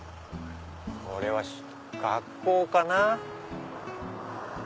これは学校かな。